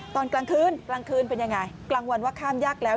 ตอนกลางคืนกลางคืนเป็นยังไงกลางวันว่าข้ามยากแล้ว